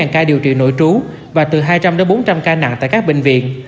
một ca điều trị nội trú và từ hai trăm linh bốn trăm linh ca nặng tại các bệnh viện